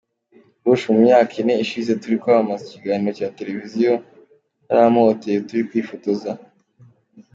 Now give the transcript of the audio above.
Bush mu myaka ine ishize turi kwamamaza ikiganiro cya televiziyo yarampohohoteye turi kwifotoza.